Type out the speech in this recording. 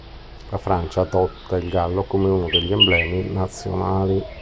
La Francia adotta il gallo come uno degli emblemi nazionali.